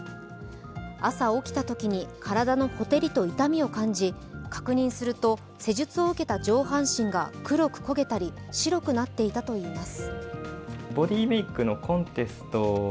朝起きたときに体の火照りと痛みを感じ確認すると施術を受けた上半身が黒く焦げたり、白くなっていたといいます。